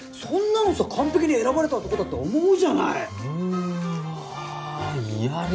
そんなのさ完璧に選ばれた男だって思うじゃないうわ